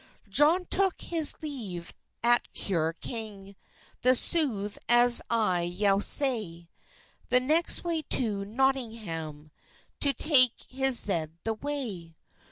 Johne toke his leve at cure kyng, The sothe as I yow say; The next way to Notyngham To take he zede the way.